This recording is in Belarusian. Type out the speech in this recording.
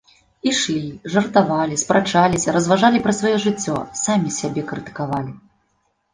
Ішлі, жартавалі, спрачаліся, разважалі пра сваё жыццё, самі сябе крытыкавалі.